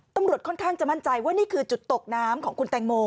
ค่อนข้างจะมั่นใจว่านี่คือจุดตกน้ำของคุณแตงโม